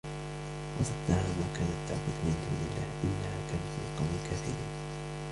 وَصَدَّهَا مَا كَانَتْ تَعْبُدُ مِنْ دُونِ اللَّهِ إِنَّهَا كَانَتْ مِنْ قَوْمٍ كَافِرِينَ